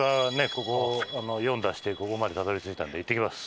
ここ４出してここまでたどり着いたんで行ってきます。